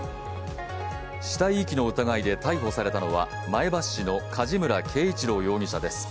死体遺棄の疑いで逮捕されたのは、前橋市の梶村圭一郎容疑者です。